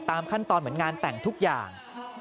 ขั้นตอนเหมือนงานแต่งทุกอย่าง